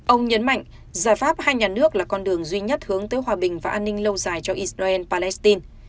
ông nhấn mạnh giải pháp hai nhà nước là con đường duy nhất hướng tới hòa bình và an ninh lâu dài cho israel palestine